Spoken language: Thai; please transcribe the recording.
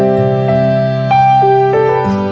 สวัสดีครับ